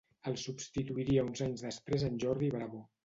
El substituiria uns anys després en Jordi Bravo.